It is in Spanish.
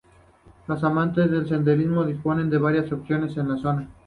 Los amantes del senderismo disponen de varias opciones por la zona.